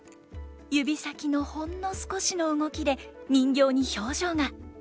指先のほんの少しの動きで人形に表情が。